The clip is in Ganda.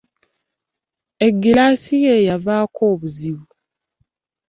Eggiraasi ye yavaako obuzibu.